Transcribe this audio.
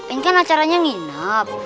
ini kan acaranya nginep